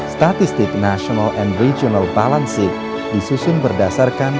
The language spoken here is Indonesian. statistik national and regional balancing disusun berdasarkan